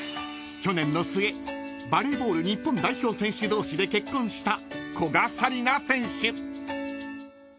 ［去年の末バレーボール日本代表選手同士で結婚した古賀紗理那選手］